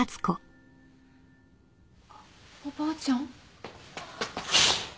あっおばあちゃん？